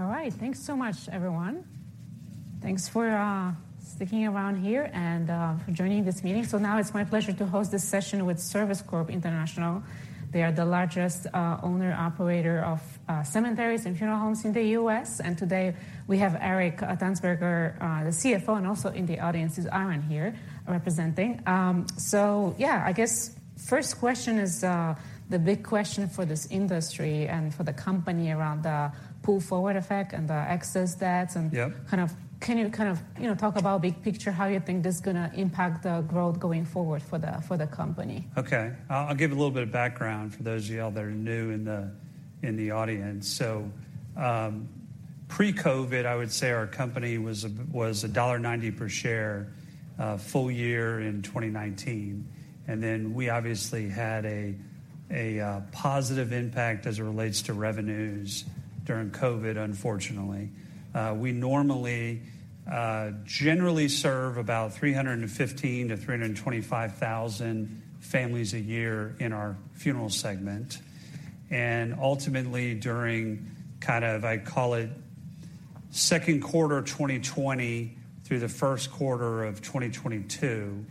All right. Thanks so much everyone. Thanks for sticking around here and for joining this meeting. Now it's my pleasure to host this session with Service Corp International. They are the largest owner-operator of cemeteries and funeral homes in the U.S. Today we have Eric Tanzberger, the CFO, and also in the audience is Aaron here representing. Yeah, I guess first question is the big question for this industry and for the company around the pull-forward effect and the excess deaths. Yep. Can you kind of, you know, talk about big picture, how you think this is going to impact the growth going forward for the company? I'll give a little bit of background for those of y'all that are new in the audience. Pre-COVID, I would say our company was a $1.90 per share, full year in 2019. We obviously had a positive impact as it relates to revenues during COVID, unfortunately. We normally generally serve about 315,000-325,000 families a year in our funeral segment. Ultimately during kind of, I call it second quarter of 2020 through the first quarter of 2022,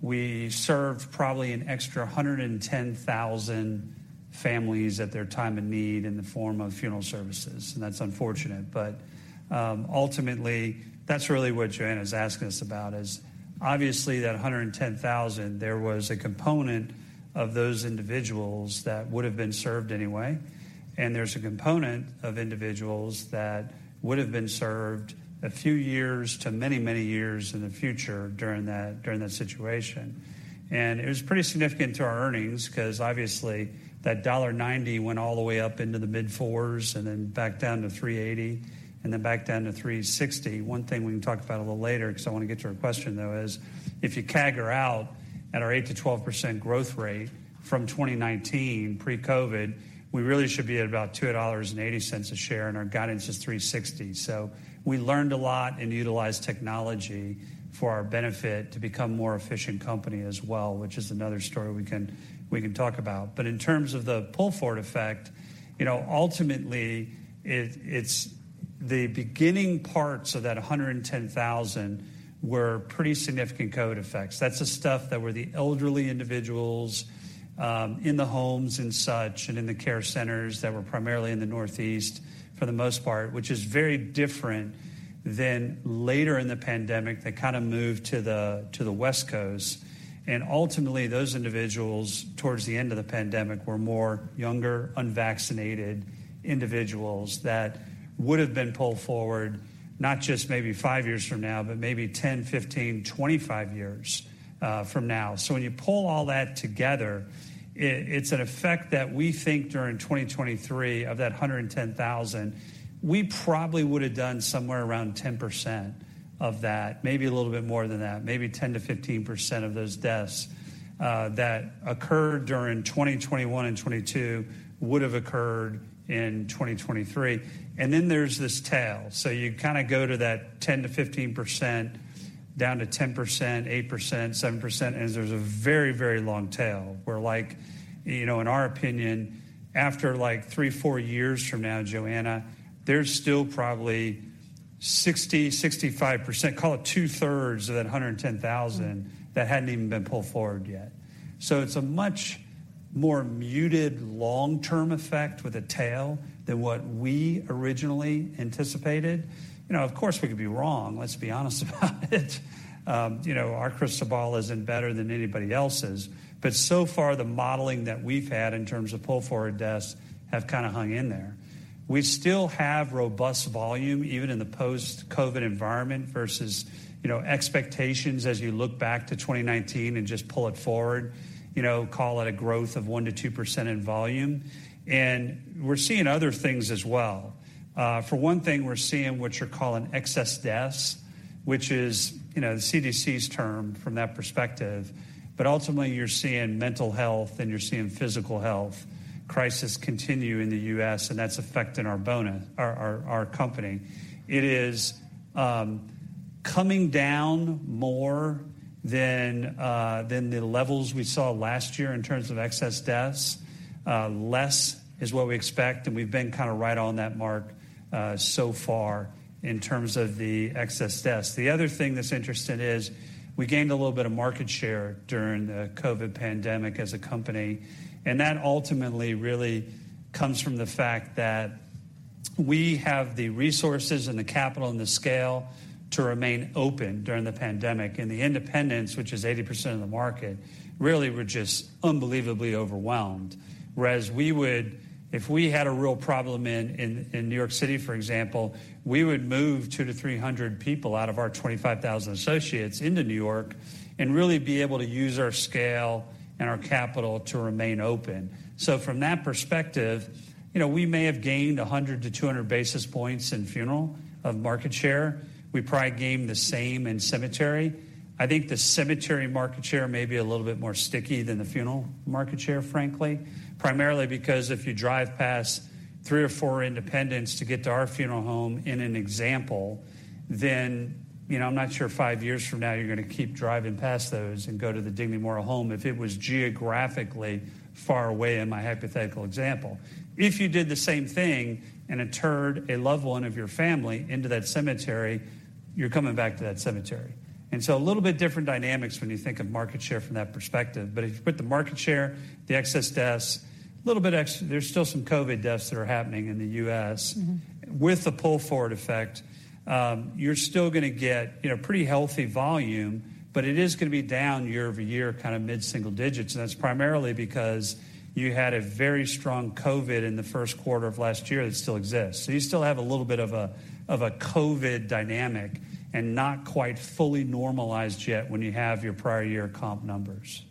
we served probably an extra 110,000 families at their time of need in the form of funeral services. That's unfortunate. Ultimately, that's really what Joanna is asking us about, is obviously that 110,000, there was a component of those individuals that would have been served anyway. There's a component of individuals that would have been served a few years to many, many years in the future during that, during that situation. It was pretty significant to our earnings 'cause obviously that $1.90 went all the way up into the mid $4.00s and then back down to $3.80 and then back down to $3.60. One thing we can talk about a little later, 'cause I wanna get to your question, though, is if you CAGR out at our 8%-12% growth rate from 2019 pre-COVID, we really should be at about $2.80 a share, and our guidance is $3.60. We learned a lot and utilized technology for our benefit to become more efficient company as well, which is another story we can talk about. In terms of the pull-forward effect, you know, ultimately it's the beginning parts of that 110,000 were pretty significant COVID effects. That's the stuff that were the elderly individuals, in the homes and such, and in the care centers that were primarily in the Northeast for the most part, which is very different than later in the pandemic. They kinda moved to the West Coast, and ultimately, those individuals, towards the end of the pandemic, were more younger, unvaccinated individuals that would have been pulled forward not just maybe five years from now, but maybe 10, 15, 25 years from now. When you pull all that together, it's an effect that we think during 2023, of that 110,000, we probably would have done somewhere around 10% of that, maybe a little bit more than that. Maybe 10%-15% of those deaths that occurred during 2021 and 2022 would have occurred in 2023. Then there's this tail. You kinda go to that 10%-15%, down to 10%, 8%, 7%, and there's a very, very long tail where like, you know, in our opinion, after like three, four years from now, Joanna, there's still probably 60%-65%, call it 2/3 of that 110,000 that hadn't even been pulled forward yet. It's a much more muted long-term effect with a tail than what we originally anticipated. You know, of course, we could be wrong. Let's be honest about it. you know, our crystal ball isn't better than anybody else's. So far, the modeling that we've had in terms of pull-forward deaths have kinda hung in there. We still have robust volume, even in the post-COVID environment versus, you know, expectations as you look back to 2019 and just pull it forward. You know, call it a growth of 1%-2% in volume. We're seeing other things as well. for one thing, we're seeing what you're calling excess deaths, which is, you know, the CDC's term from that perspective. Ultimately, you're seeing mental health and you're seeing physical health crisis continue in the U.S., and that's affecting our bonus, our company. It is coming down more than than the levels we saw last year in terms of excess deaths. Less is what we expect, and we've been kinda right on that mark so far in terms of the excess deaths. The other thing that's interesting is we gained a little bit of market share during the COVID pandemic as a company, and that ultimately really comes from the fact that we have the resources and the capital and the scale to remain open during the pandemic. The independents, which is 80% of the market, really were just unbelievably overwhelmed. Whereas if we had a real problem in New York City, for example, we would move 200 to 300 people out of our 25,000 associates into New York and really be able to use our scale and our capital to remain open. From that perspective, you know, we may have gained 100 to 200 basis points in funeral of market share. We probably gained the same in cemetery. I think the cemetery market share may be a little bit more sticky than the funeral market share, frankly. Primarily because if you drive past three or four independents to get to our funeral home in an example, then, you know, I'm not sure five years from now you're gonna keep driving past those and go to the Dignity Memorial Home if it was geographically far away in my hypothetical example. If you did the same thing and interred a loved one of your family into that cemetery, you're coming back to that cemetery. A little bit different dynamics when you think of market share from that perspective. If you put the market share, the excess deaths, a little bit extra, there's still some COVID deaths that are happening in the U.S. Mm-hmm. With the pull-forward effect, you're still gonna get, you know, pretty healthy volume, but it is gonna be down year-over-year, kind of mid-single digits. That's primarily because you had a very strong COVID in the first quarter of last year that still exists. You still have a little bit of a COVID dynamic and not quite fully normalized yet when you have your prior year comp numbers.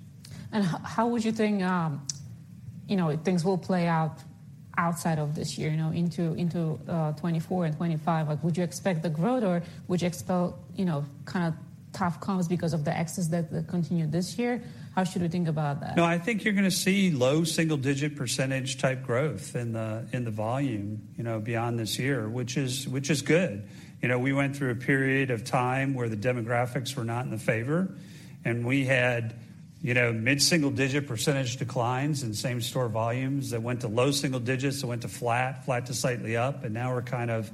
How would you think, you know, things will play out outside of this year, you know, into 2024 and 2025? Like, would you expect the growth, or would you expect, you know, kind of tough comps because of the excess death that continued this year? How should we think about that? No, I think you're gonna see low single-digit % type growth in the volume, you know, beyond this year, which is good. You know, we went through a period of time where the demographics were not in the favor, and we had, you know, mid-single digit % declines in same-store volumes that went to low single digits, that went to flat to slightly up, and now we're kind of,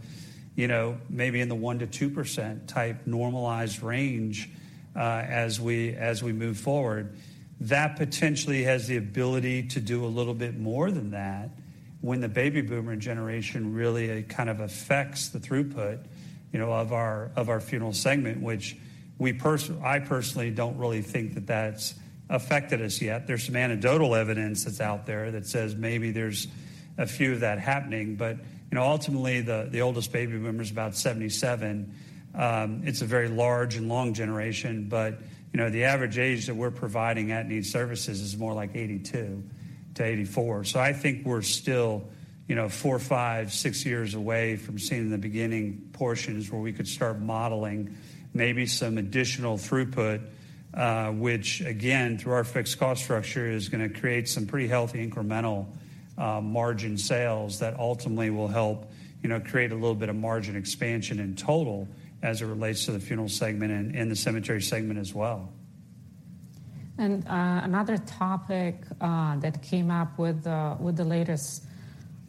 you know, maybe in the 1%-2% type normalized range as we move forward. That potentially has the ability to do a little bit more than that when the baby boomer generation really kind of affects the throughput, you know, of our funeral segment, which I personally don't really think that that's affected us yet. There's some anecdotal evidence that's out there that says maybe there's a few of that happening. You know, ultimately, the oldest baby boomer is about 77. It's a very large and long generation, but, you know, the average age that we're providing at-need services is more like 82-84. I think we're still, you know, four, five, six years away from seeing the beginning portions where we could start modeling maybe some additional throughput, which again, through our fixed cost structure, is gonna create some pretty healthy incremental margin sales that ultimately will help, you know, create a little bit of margin expansion in total as it relates to the funeral segment and the cemetery segment as well. Another topic that came up with the latest quarter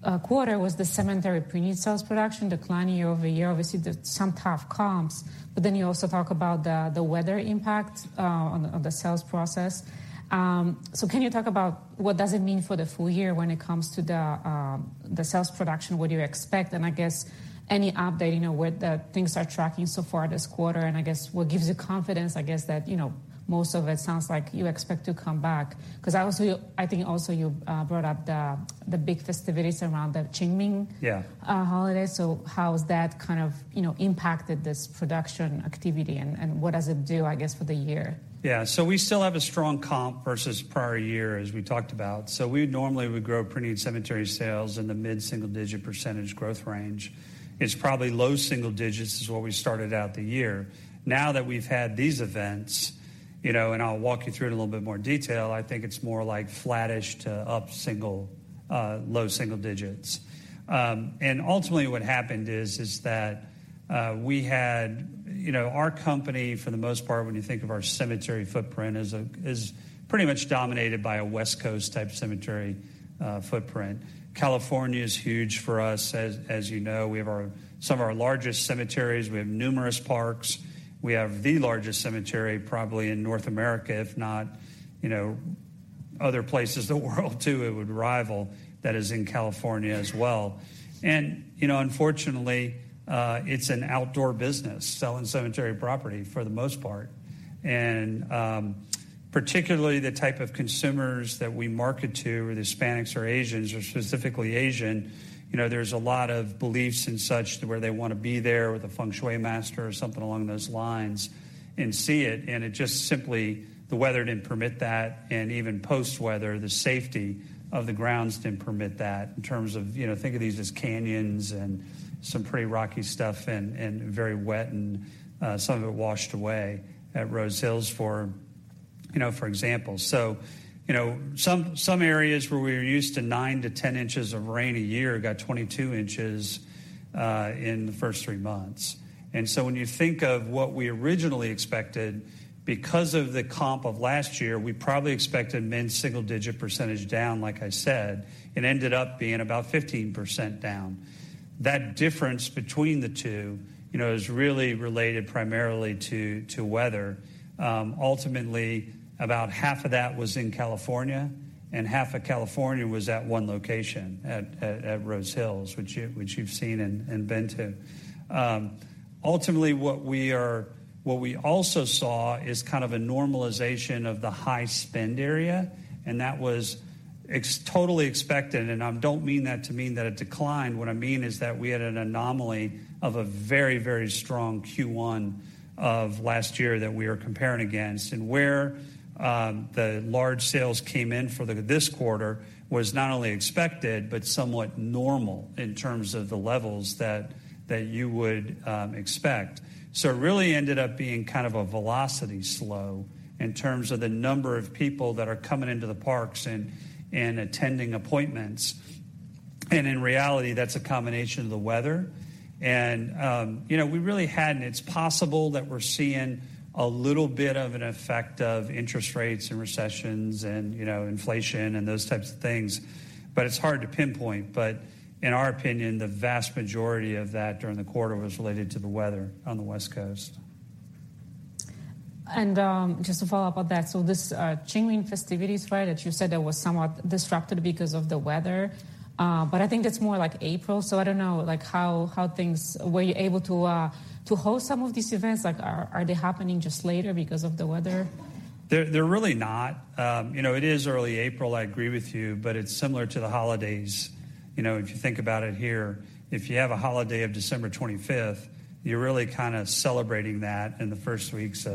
was the cemetery pre-need sales production declining year-over-year. Obviously, some tough comps, you also talk about the weather impact on the sales process. Can you talk about what does it mean for the full year when it comes to the sales production? What do you expect? Any update, you know, where the things are tracking so far this quarter, what gives you confidence, I guess, that, you know, most of it sounds like you expect to come back? You brought up the big festivities around the Qingming. Yeah... holiday. How has that kind of, you know, impacted this production activity, and what does it do, I guess, for the year? Yeah. We still have a strong comp versus prior year, as we talked about. We normally would grow pre-need cemetery sales in the mid-single digit percentage growth range. It's probably low single digits is where we started out the year. Now that we've had these events, you know, and I'll walk you through it in a little bit more detail, I think it's more like flattish to up low single digits. Ultimately, what happened is that, you know, our company, for the most part, when you think of our cemetery footprint, is pretty much dominated by a West Coast type cemetery footprint. California is huge for us. As you know, we have some of our largest cemeteries. We have numerous parks. We have the largest cemetery probably in North America, if not, you know, other places of the world too, it would rival, that is in California as well. Unfortunately, you know, it's an outdoor business, selling cemetery property for the most part. Particularly the type of consumers that we market to, the Hispanics or Asians, or specifically Asian, you know, there's a lot of beliefs and such to where they wanna be there with a feng shui master or something along those lines and see it, and it just simply the weather didn't permit that, and even post-weather, the safety of the grounds didn't permit that in terms of, you know, think of these as canyons and some pretty rocky stuff and very wet and some of it washed away at Rose Hills for, you know, for example. You know, some areas where we're used to nine to 10 inches of rain a year got 22 inches in the first three months. When you think of what we originally expected, because of the comp of last year, we probably expected mid-single digit % down, like I said. It ended up being about 15% down. That difference between the two, you know, is really related primarily to weather. Ultimately, about half of that was in California, and half of California was at one location at Rose Hills, which you've seen and been to. Ultimately, what we also saw is kind of a normalization of the high spend area, and that was totally expected. I don't mean that to mean that it declined. What I mean is that we had an anomaly of a very, very strong Q1 of last year that we are comparing against. Where, the large sales came in for this quarter was not only expected but somewhat normal in terms of the levels that you would expect. It really ended up being kind of a velocity slow in terms of the number of people that are coming into the parks and attending appointments. In reality, that's a combination of the weather. you know, it's possible that we're seeing a little bit of an effect of interest rates and recessions and, you know, inflation and those types of things, but it's hard to pinpoint. In our opinion, the vast majority of that during the quarter was related to the weather on the West Coast. Just to follow up on that. This Qingming festivities, right? That you said that was somewhat disrupted because of the weather. I think that's more like April, so I don't know, like, how things... Were you able to host some of these events? Like, are they happening just later because of the weather? They're really not. You know, it is early April, I agree with you, but it's similar to the holidays. You know, if you think about it here, if you have a holiday of December 25th, you're really kind of celebrating that in the first weeks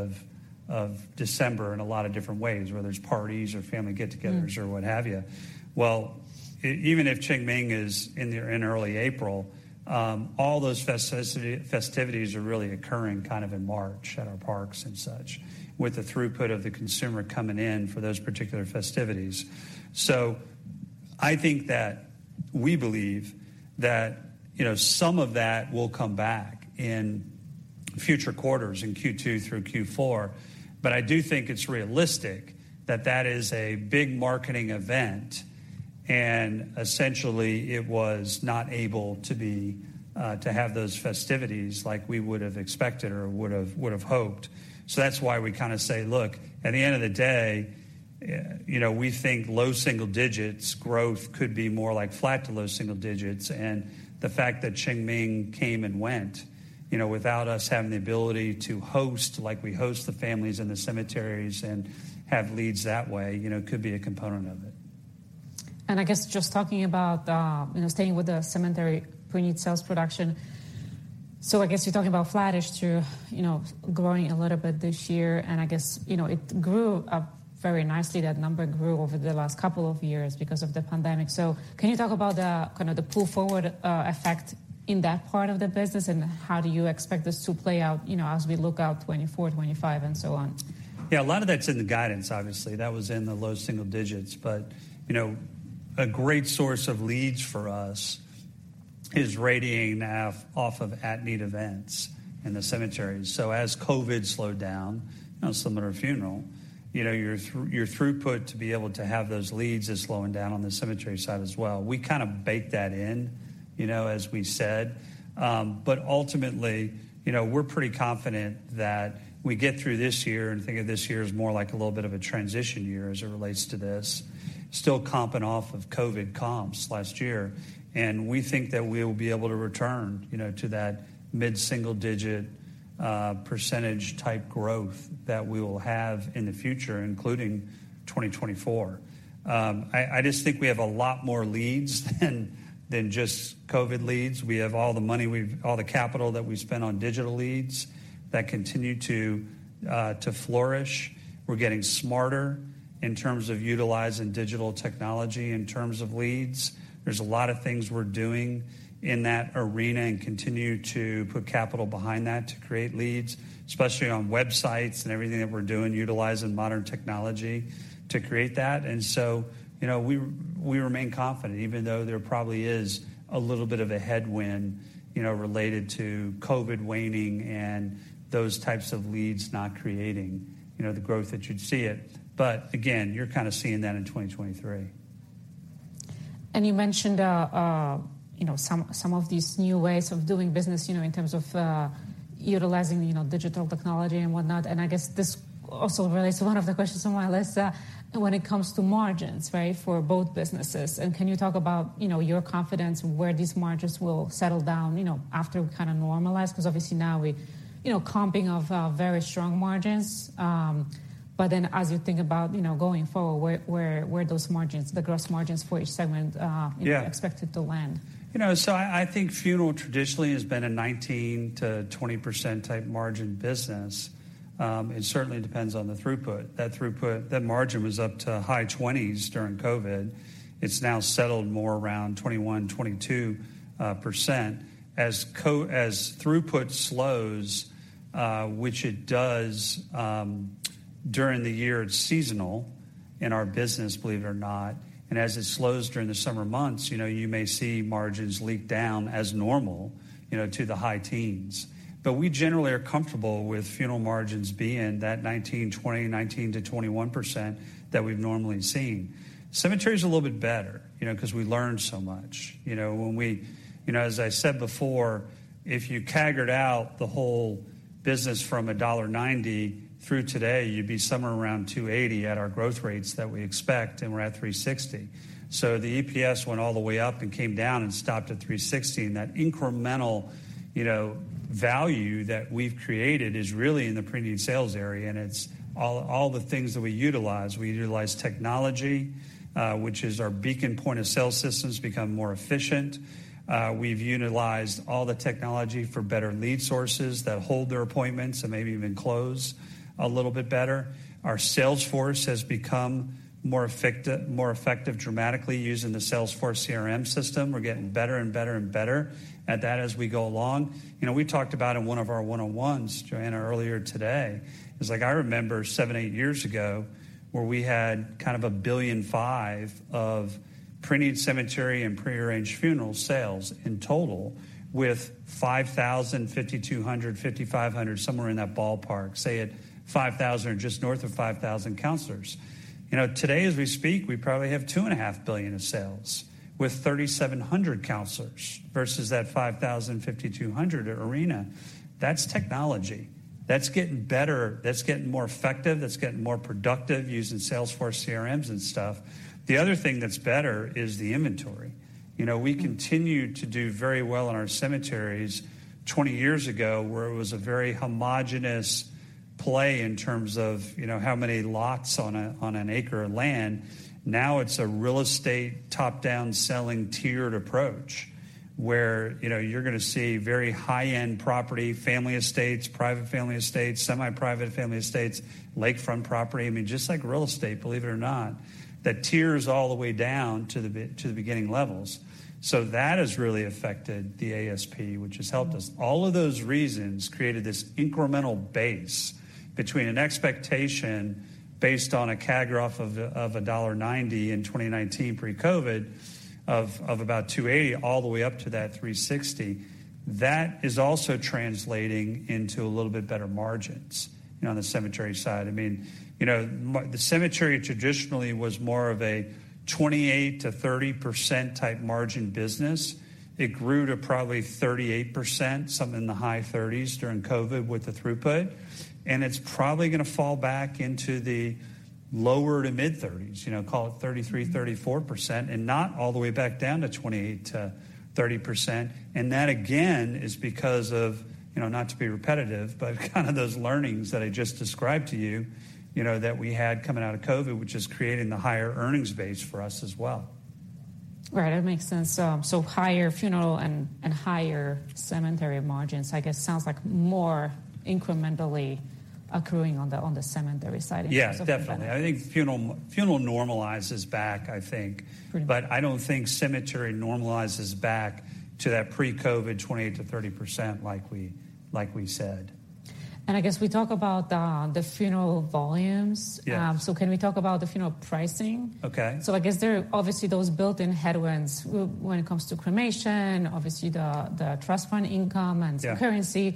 of December in a lot of different ways, whether it's parties or family get-togethers. Mm. What have you. Even if Qingming is in early April, all those festivities are really occurring kind of in March at our parks and such, with the throughput of the consumer coming in for those particular festivities. I think that we believe that, you know, some of that will come back in future quarters, in Q2 through Q4. I do think it's realistic that that is a big marketing event, and essentially it was not able to be to have those festivities like we would have expected or would've hoped. That's why we kind of say, look, at the end of the day, you know, we think low single digits growth could be more like flat to low single digits. The fact that Qingming came and went, you know, without us having the ability to host, like we host the families in the cemeteries and have leads that way, you know, could be a component of it. I guess just talking about, you know, staying with the cemetery preneed sales production. I guess you're talking about flattish to, you know, growing a little bit this year, and I guess, you know, it grew very nicely. That number grew over the last couple of years because of the pandemic. Can you talk about the kind of the pull-forward effect in that part of the business, and how do you expect this to play out, you know, as we look out 2024, 2025 and so on? A lot of that's in the guidance, obviously. That was in the low single digits. You know, a great source of leads for us is radiating now off of at-need events in the cemeteries. As COVID slowed down, you know, similar to funeral, you know, your throughput to be able to have those leads is slowing down on the cemetery side as well. We kind of baked that in, you know, as we said. Ultimately, you know, we're pretty confident that we get through this year and think of this year as more like a little bit of a transition year as it relates to this, still comping off of COVID comps last year. We think that we'll be able to return, you know, to that mid-single digit % type growth that we will have in the future, including 2024. I just think we have a lot more leads than just COVID leads. We have all the capital that we've spent on digital leads that continue to flourish. We're getting smarter in terms of utilizing digital technology in terms of leads. There's a lot of things we're doing in that arena and continue to put capital behind that to create leads, especially on websites and everything that we're doing, utilizing modern technology to create that. You know, we remain confident, even though there probably is a little bit of a headwind, you know, related to COVID waning and those types of leads not creating, you know, the growth that you'd see it. Again, you're kind of seeing that in 2023. You mentioned, you know, some of these new ways of doing business, you know, in terms of, utilizing, you know, digital technology and whatnot. I guess this also relates to one of the questions on my list, when it comes to margins, right? For both businesses. Can you talk about, you know, your confidence where these margins will settle down, you know, after we kind of normalize? Because obviously now we're, you know, comping off, very strong margins. As you think about, you know, going forward, where those margins, the gross margins for each segment. Yeah. Expected to land. You know, I think funeral traditionally has been a 19%-20% type margin business. It certainly depends on the throughput. That margin was up to high 20s during COVID. It's now settled more around 21%-22%. As throughput slows, which it does, during the year, it's seasonal in our business, believe it or not. As it slows during the summer months, you know, you may see margins leak down as normal, you know, to the high teens. We generally are comfortable with funeral margins being that 19%, 20%, 19%-21% that we've normally seen. Cemetery's a little bit better, you know, 'cause we learned so much. You know, as I said before, if you CAGR-ed out the whole business from $1.90 through today, you'd be somewhere around $2.80 at our growth rates that we expect, and we're at $3.60. The EPS went all the way up and came down and stopped at $3.60, and that incremental, you know, value that we've created is really in the preneed sales area, and it's all the things that we utilize. We utilize technology, which is our Beacon point-of-sale systems become more efficient. We've utilized all the technology for better lead sources that hold their appointments and maybe even close a little bit better. Our sales force has become more effective dramatically using the Salesforce CRM system. We're getting better and better and better at that as we go along. You know, we talked about in one of our one-on-ones, Joanna, earlier today, is like I remember seven, eight years ago, where we had kind of $1.5 billion of preneed cemetery and prearranged funeral sales in total, with 5,000, 5,200, 5,500, somewhere in that ballpark, say at 5,000 or just north of 5,000 counselors. You know, today as we speak, we probably have $2.5 billion of sales with 3,700 counselors versus that 5,000 and 5,200 arena. That's technology. That's getting better. That's getting more effective. That's getting more productive using Salesforce CRMs and stuff. The other thing that's better is the inventory. You know, we continued to do very well in our cemeteries 20 years ago, where it was a very homogeneous play in terms of, you know, how many lots on an acre of land. It's a real estate top-down selling tiered approach, where, you know, you're gonna see very high-end property, family estates, private family estates, semi-private family estates, lakefront property. I mean, just like real estate, believe it or not, that tiers all the way down to the beginning levels. That has really affected the ASP, which has helped us. All of those reasons created this incremental base between an expectation based on a CAGR of $1.90 in 2019 pre-COVID of about $2.80 all the way up to that $3.60. That is also translating into a little bit better margins, you know, on the cemetery side. I mean, you know, the cemetery traditionally was more of a 28%-30% type margin business. It grew to probably 38%, something in the high 30s during COVID with the throughput. It's probably gonna fall back into the lower to mid-30s, you know, call it 33%, 34%, not all the way back down to 28%-30%. That again, is because of, you know, not to be repetitive, but kind of those learnings that I just described to you know, that we had coming out of COVID, which is creating the higher earnings base for us as well. Right. That makes sense. So higher funeral and higher cemetery margins, I guess sounds like more incrementally accruing on the cemetery side. Yeah, definitely. I think funeral normalizes back, I think. Pretty much. I don't think cemetery normalizes back to that pre-COVID 20%-30% like we said. I guess we talk about the funeral volumes. Yeah. Can we talk about the funeral pricing? Okay. I guess there are obviously those built-in headwinds when it comes to cremation, obviously the trust fund income and... Yeah...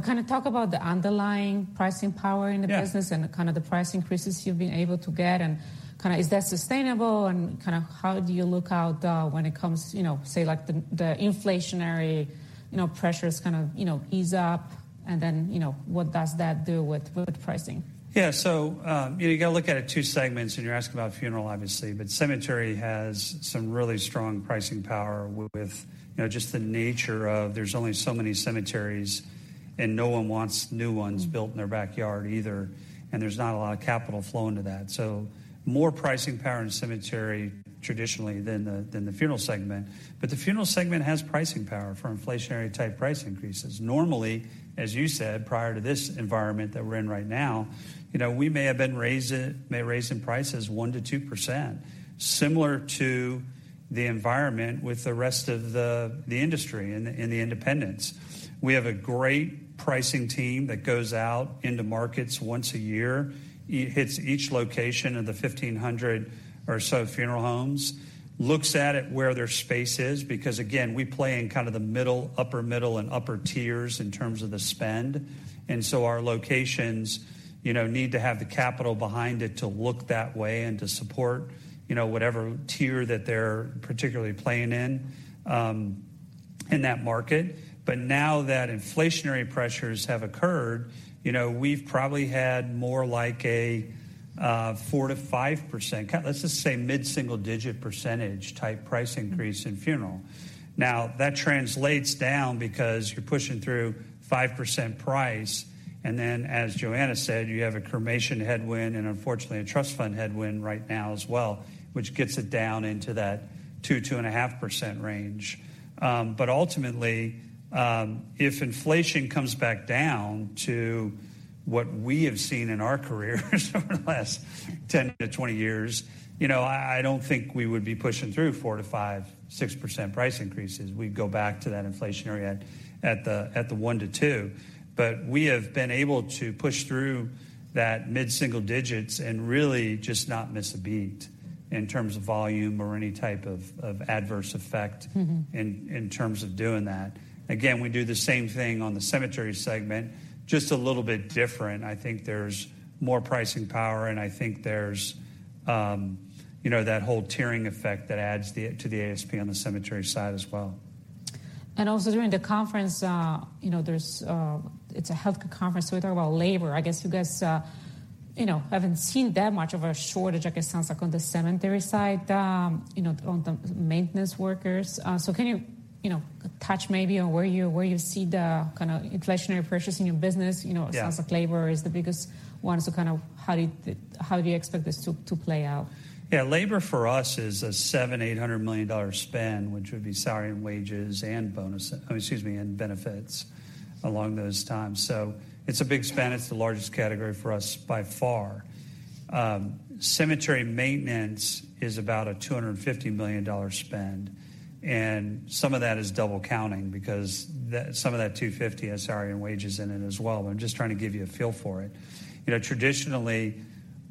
concurrency. kind of talk about the underlying pricing power in the business. Yeah kind of the price increases you've been able to get and kinda is that sustainable and kinda how do you look out, when it comes, you know, say like the inflationary, you know, pressures kind of, you know, ease up and then, you know, what does that do with pricing? Yeah. you know, you gotta look at it two segments, you're asking about funeral obviously, but cemetery has some really strong pricing power with, you know, just the nature of there's only so many cemeteries and no one wants new ones built in their backyard either, and there's not a lot of capital flow into that. more pricing power in cemetery traditionally than the funeral segment. The funeral segment has pricing power for inflationary type price increases. Normally, as you said, prior to this environment that we're in right now, you know, we may have raising prices 1%-2%, similar to the environment with the rest of the industry and the independents. We have a great pricing team that goes out into markets once a year. It hits each location of the 1,500 or so funeral homes, looks at it where their space is, because again, we play in kind of the middle, upper middle, and upper tiers in terms of the spend. Our locations, you know, need to have the capital behind it to look that way and to support, you know, whatever tier that they're particularly playing in in that market. Now that inflationary pressures have occurred, you know, we've probably had more like a 4%-5%, let's just say mid-single digit % type price increase in funeral. That translates down because you're pushing through 5% price, and then, as Joanna said, you have a cremation headwind, and unfortunately, a trust fund headwind right now as well, which gets it down into that 2%-2.5% range. Ultimately, if inflation comes back down to what we have seen in our careers over the last 10 to 20 years, you know, I don't think we would be pushing through 4%-5%, 6% price increases. We'd go back to that inflationary at the 1%-2%. We have been able to push through that mid-single digits and really just not miss a beat in terms of volume or any type of adverse effect. Mm-hmm in terms of doing that. Again, we do the same thing on the cemetery segment, just a little bit different. I think there's more pricing power, and I think there's, you know, that whole tiering effect that adds to the ASP on the cemetery side as well. Also during the conference, you know, there's, it's a healthcare conference, so we talk about labor. I guess you guys, you know, haven't seen that much of a shortage, I guess sounds like on the cemetery side, you know, on the maintenance workers. So can you know, touch maybe on where you, where you see the kinda inflationary pressures in your business? You know. Yeah it sounds like labor is the biggest one. kind of how do you expect this to play out? Yeah. Labor for us is a $700 million-$800 million spend, which would be salary and wages and bonus, excuse me, and benefits along those times. It's a big spend. It's the largest category for us by far. Cemetery maintenance is about a $250 million spend, and some of that is double counting because some of that 250 has salary and wages in it as well. I'm just trying to give you a feel for it. You know, traditionally,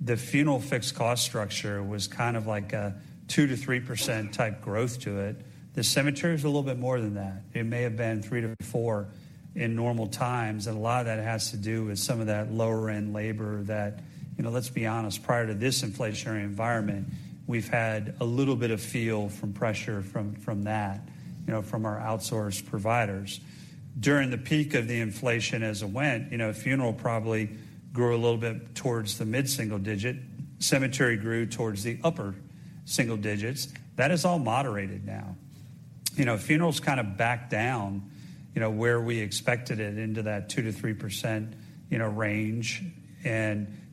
the funeral fixed cost structure was kind of like a 2%-3% type growth to it. The cemetery is a little bit more than that. It may have been 3%-4% in normal times. A lot of that has to do with some of that lower-end labor that, you know, let's be honest, prior to this inflationary environment, we've had a little bit of feel from pressure from that, you know, from our outsourced providers. During the peak of the inflation as it went, you know, funeral probably grew a little bit towards the mid-single digit. Cemetery grew towards the upper single digits. That is all moderated now. You know, funerals kind of backed down, you know, where we expected it into that 2%-3%, you know, range.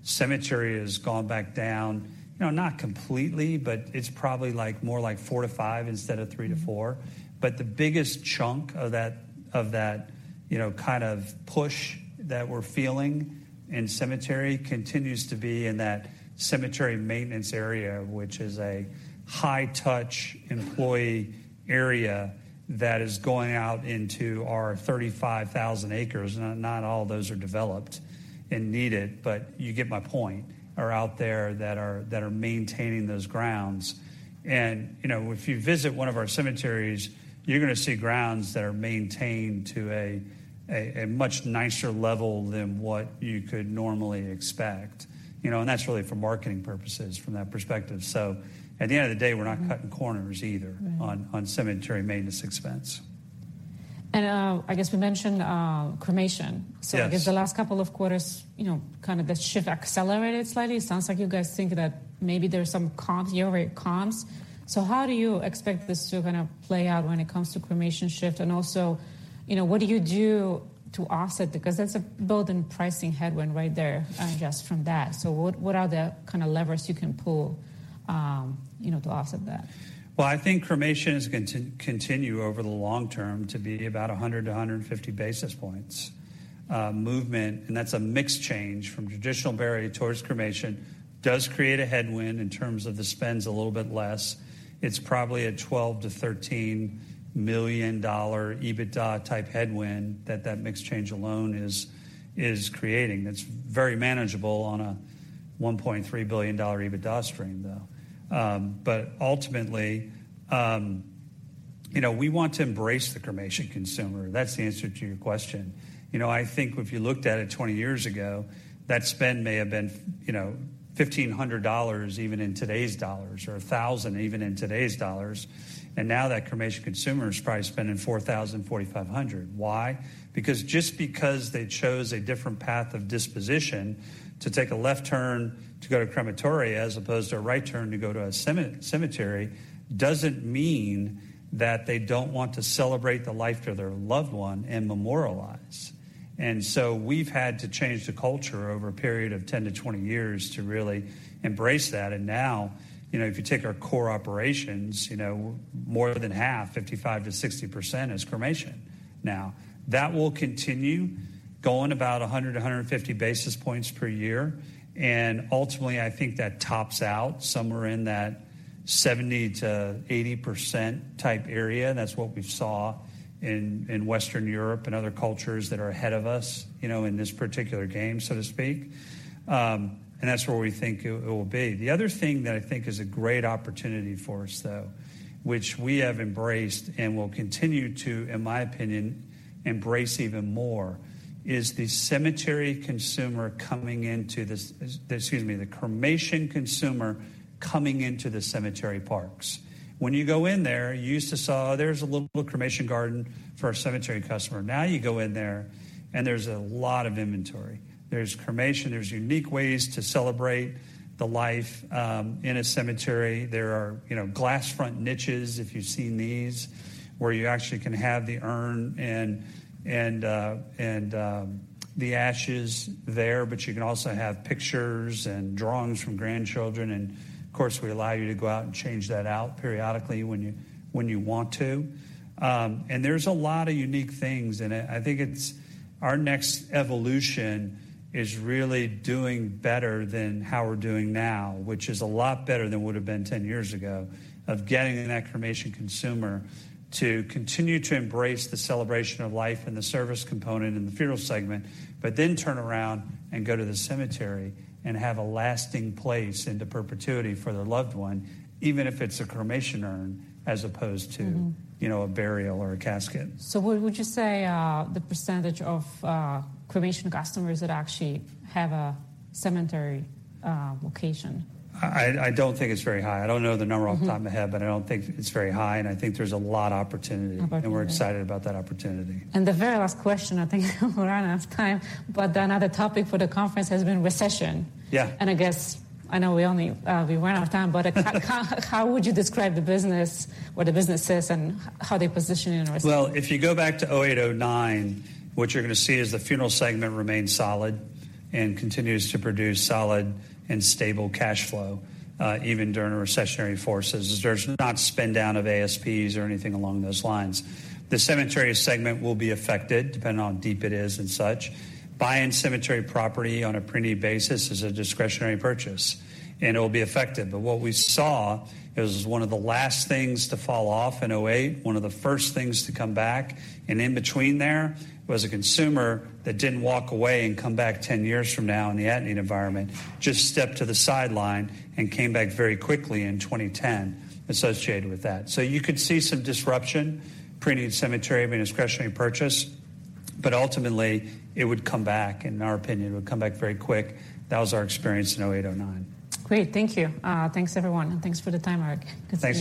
Cemetery has gone back down, you know, not completely, but it's probably like more like 4%-5% instead of 3%-4%. The biggest chunk of that, you know, kind of push that we're feeling in cemetery continues to be in that cemetery maintenance area, which is a high touch employee area that is going out into our 35,000 acres. Not all of those are developed and needed, but you get my point, are out there that are maintaining those grounds. You know, if you visit one of our cemeteries, you're gonna see grounds that are maintained to a much nicer level than what you could normally expect. You know, and that's really for marketing purposes from that perspective. At the end of the day, we're not cutting corners either. Right. On cemetery maintenance expense. I guess we mentioned, cremation. Yes. I guess the last couple of quarters, you know, kind of the shift accelerated slightly. It sounds like you guys think that maybe there's some year-over-year comps. How do you expect this to kind of play out when it comes to cremation shift? Also, you know, what do you do to offset it? Because that's a built-in pricing headwind right there, just from that. What are the kind of levers you can pull, you know, to offset that? I think cremation is continue over the long term to be about 100 to 150 basis points movement. That's a mix change from traditional burial towards cremation. Does create a headwind in terms of the spends a little bit less. It's probably a $12 million-$13 million EBITDA type headwind that mix change alone is creating. That's very manageable on a $1.3 billion EBITDA stream, though. You know, we want to embrace the cremation consumer. That's the answer to your question. You know, I think if you looked at it 20 years ago, that spend may have been, you know, $1,500, even in today's dollars or $1,000 even in today's dollars. Now that cremation consumer is probably spending $4,000-$4,500. Why? Just because they chose a different path of disposition to take a left turn to go to a crematory as opposed to a right turn to go to a cemetery, doesn't mean that they don't want to celebrate the life of their loved one and memorialize. We've had to change the culture over a period of 10 to 20 years to really embrace that. Now, you know, if you take our core operations, you know, more than half, 55%-60%, is cremation now. That will continue going about 100 to 150 basis points per year. Ultimately, I think that tops out somewhere in that 70%-80% type area. That's what we saw in Western Europe and other cultures that are ahead of us, you know, in this particular game, so to speak. That's where we think it will be. The other thing that I think is a great opportunity for us, though, which we have embraced and will continue to, in my opinion, embrace even more, is the cemetery consumer coming into this, excuse me, the cremation consumer coming into the cemetery parks. When you go in there, you used to saw there's a little cremation garden for our cemetery customer. Now you go in there, and there's a lot of inventory. There's cremation, there's unique ways to celebrate the life in a cemetery. There are, you know, glass front niches, if you've seen these, where you actually can have the urn and the ashes there, but you can also have pictures and drawings from grandchildren. Of course, we allow you to go out and change that out periodically when you want to. There's a lot of unique things, and I think it's our next evolution is really doing better than how we're doing now, which is a lot better than would've been 10 years ago, of getting that cremation consumer to continue to embrace the celebration of life and the service component in the funeral segment, but then turn around and go to the cemetery and have a lasting place into perpetuity for their loved one, even if it's a cremation urn as opposed to. Mm-hmm. You know, a burial or a casket. What would you say, the % of cremation customers that actually have a cemetery, location? I don't think it's very high. I don't know the number off the top of my head, but I don't think it's very high, and I think there's a lot of opportunity. Opportunity. We're excited about that opportunity. The very last question, I think we're running out of time, but another topic for the conference has been recession. Yeah. I guess, I know we only, we ran out of time. How would you describe the business, where the business is and how they position in a recession? Well, if you go back to 2008, 2009, what you're gonna see is the funeral segment remains solid and continues to produce solid and stable cash flow even during a recessionary forces. There's not spend down of ASPs or anything along those lines. The cemetery segment will be affected depending on how deep it is and such. Buying cemetery property on a preneed basis is a discretionary purchase, and it will be affected. What we saw is one of the last things to fall off in 2008, one of the first things to come back, and in between there was a consumer that didn't walk away and come back 10 years from now in the A&E environment, just stepped to the sideline and came back very quickly in 2010 associated with that. you could see some disruption, preneed cemetery being a discretionary purchase, but ultimately it would come back, in our opinion, it would come back very quick. That was our experience in 2008, 2009. Great. Thank you. Thanks everyone, and thanks for the time, Eric. Good to see you.